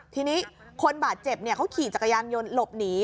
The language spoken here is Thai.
ทีนี้คนบาดเจ็บเขาขี่จักรยานยนต์หลบหนี